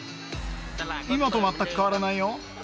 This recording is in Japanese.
今と全く変わらないよ